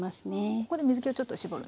ここで水けをちょっと搾ると。